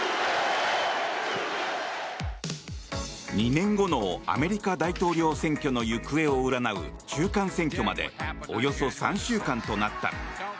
２年後のアメリカ大統領選挙の行方を占う中間選挙までおよそ３週間となった。